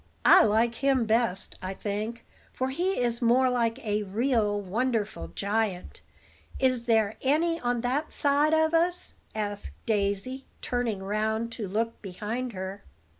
"I like him best, I think; for he is more like a real, wonderful giant. Is there any on that side of us?" asked Daisy, turning round to look behind her.